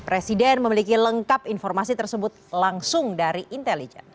presiden memiliki lengkap informasi tersebut langsung dari intelijen